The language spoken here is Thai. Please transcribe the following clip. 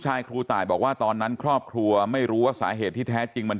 ใช่ครูตายบอกว่าตอนนั้นครอบครัวไม่รู้ว่าสาเหตุที่แท้จริงมัน